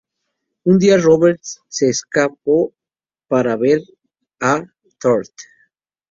Un día Robert se escapó para ver a Truth.